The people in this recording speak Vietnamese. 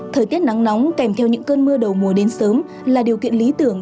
thời tiết nắng nóng kèm theo những cơn mưa đầu mùa đến sớm là điều kiện lý tưởng